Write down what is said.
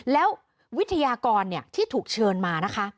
แล้ววิทยากรที่ถูกเชิญมานะคะ